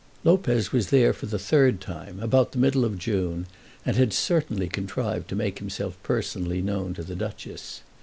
Lopez was there for the third time, about the middle of June, and had certainly contrived to make himself personally known to the Duchess.